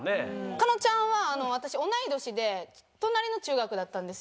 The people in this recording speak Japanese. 加納ちゃんは私同い年で隣の中学だったんですよ。